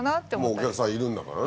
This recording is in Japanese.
もうお客さんいるんだからね。